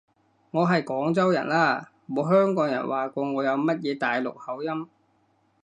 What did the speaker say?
我係廣州人啦，冇香港人話過我有乜嘢大陸口音